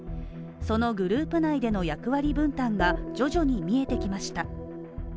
そのグループ内での役割分担が徐々に見えてきました。